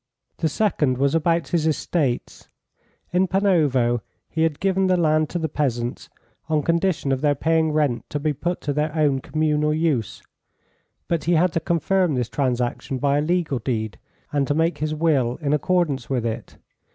The second was about his estates. In Panovo he had given the land to the peasants on condition of their paying rent to be put to their own communal use. But he had to confirm this transaction by a legal deed, and to make his will, in accordance with it.